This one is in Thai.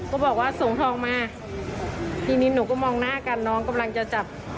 ก็บอกว่าส่งทองมาทีนี้หนูก็มองหน้ากันน้องกำลังจะจับ